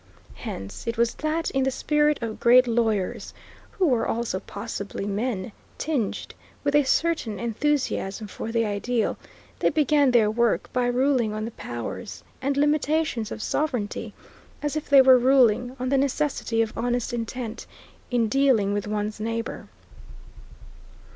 Hence it was that, in the spirit of great lawyers, who were also possibly men tinged with a certain enthusiasm for the ideal, they began their work by ruling on the powers and limitations of sovereignty, as if they were ruling on the necessity of honest intent in dealings with one's neighbor.